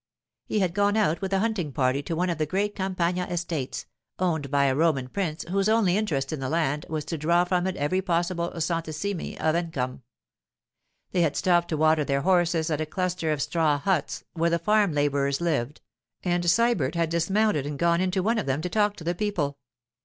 He had gone out with a hunting party to one of the great Campagna estates, owned by a Roman prince whose only interest in the land was to draw from it every possible centesime of income. They had stopped to water their horses at a cluster of straw huts where the farm labourers lived, and Sybert had dismounted and gone into one of them to talk to the people.